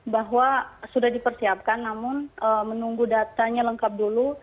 bahwa sudah dipersiapkan namun menunggu datanya lengkap dulu